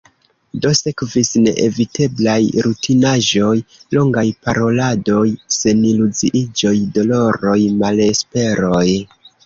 Do, sekvis neeviteblaj rutinaĵoj – longaj paroladoj, seniluziiĝoj, doloroj, malesperoj...